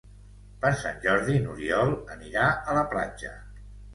Per Sant Jordi n'Oriol anirà a la platja.